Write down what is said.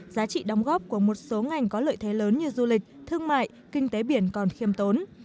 giá trị đóng góp của một số ngành có lợi thế lớn như du lịch thương mại kinh tế biển còn khiêm tốn